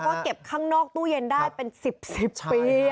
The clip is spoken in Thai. เพราะเก็บข้างนอกตู้เย็นได้เป็น๑๐๑๐ปี